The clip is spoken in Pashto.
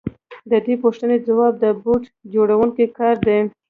د دې پوښتنې ځواب د بوټ جوړونکي کار دی